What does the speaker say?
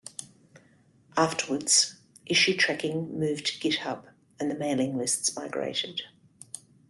Afterwards, issue tracking moved to GitHub and the mailing lists migrated.